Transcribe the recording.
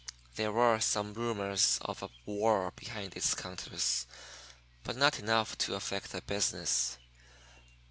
There were some rumors of a war behind its counters, but not enough to affect the business.